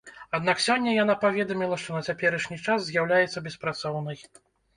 Аднак сёння яна паведаміла, што на цяперашні час з'яўляецца беспрацоўнай.